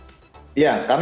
ya karena bicara mengumpulkan